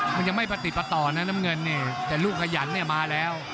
มันยังไม่ประติดประต่อนะน้ำเงินนี่แต่ลูกขยันเนี่ยมาแล้ว